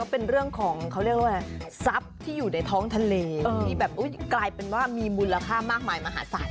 เป็นว่ามีมูลค่ามากมายมหาศาสตร์